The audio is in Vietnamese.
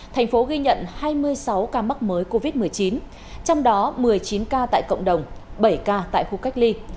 thành phố ghi nhận hai mươi sáu ca mắc mới covid một mươi chín trong đó một mươi chín ca tại cộng đồng bảy ca tại khu cách ly